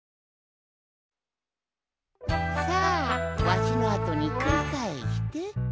さあわしのあとにくりかえして。